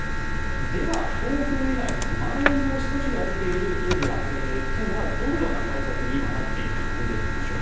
では、東京以外のまん延防止措置が出ているエリア、県はどのような対策に今なっているのか見ていきましょう。